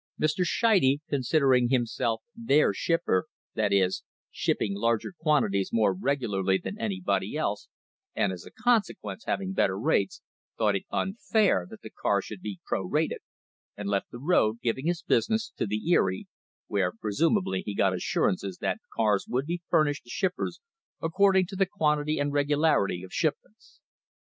Mr. Scheide, considering himself "their shipper," that is, shipping larger quantities more regularly than anybody else, and as a consequence hav ing better rates, thought it unfair that the cars should be pro rated,* and left the road, giving his business to the Erie, where presumably he got assurances that cars would be fur nished to shippers according to the quantity and regularity of shipments.